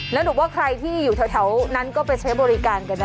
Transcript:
แล้วหนูว่าใครที่อยู่แถวนั้นก็ไปใช้บริการกันได้